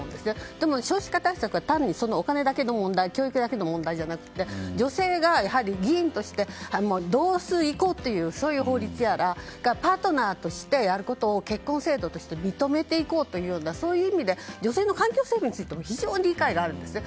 でも、少子化対策は単にお金だけの問題教育だけの問題じゃなくて女性が議員として同数移行という法律やらパートナーとしていることを結婚制度として認めていこうとそういう意味で女性の環境整備についても非常に理解があるんですね。